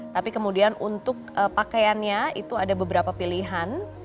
tapi kemudian untuk pakaiannya itu ada beberapa pilihan